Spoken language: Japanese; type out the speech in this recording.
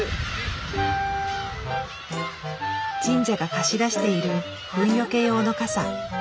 神社が貸し出しているフンよけ用の傘。